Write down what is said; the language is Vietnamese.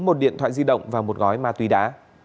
một điện thoại di động và một gói ma túy đá